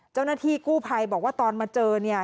เจ้าหน้าที่กู้ภัยบอกว่าตอนมาเจอเนี่ย